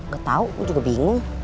gak tau gue juga bingung